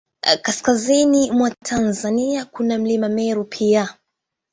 Kaskazini mwa Tanzania, kuna Mlima Meru pia.